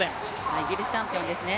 イギリスチャンピオンですね。